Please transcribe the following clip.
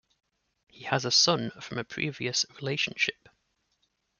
He has a son from a previous relationship.